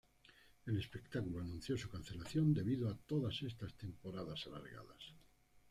El espectáculo anunció su cancelación debido a todas estas temporadas alargadas.